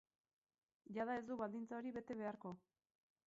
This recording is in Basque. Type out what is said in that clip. Jada ez du baldintza hori bete beharko.